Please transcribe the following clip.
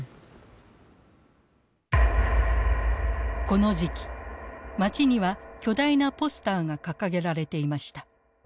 この時期街には巨大なポスターが掲げられていました。